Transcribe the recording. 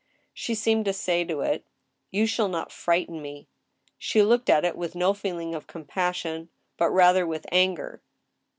She seemed to say to it :" You shall not frighten me !" She looked at it with no feeling of compassion, but rather with anger.